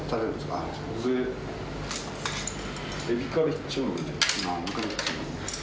ああ、エビからいっちゃうのね。